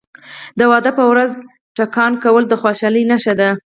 د واده په ورځ ډزې کول د خوشحالۍ نښه ده.